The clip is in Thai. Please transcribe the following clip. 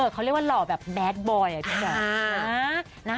เขาเรียกว่าหล่อแบตบอยครับพี่